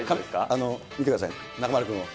見てください、中丸君を。